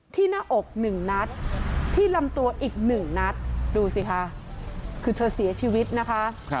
หน้าอกหนึ่งนัดที่ลำตัวอีก๑นัดดูสิคะคือเธอเสียชีวิตนะคะ